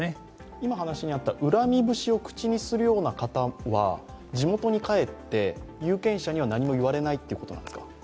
今話にあった恨み節を口にするような方は地元に帰って有権者には何も言われないということなんですか？